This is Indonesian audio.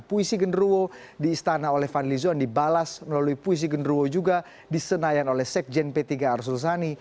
puisi genderuwo di istana oleh van lizoan dibalas melalui puisi genderuwo juga disenayan oleh sekjen p tiga arsulsani